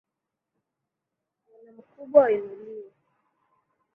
Bwana mkubwa ainuliwe.